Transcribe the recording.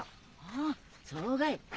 ああそうがい。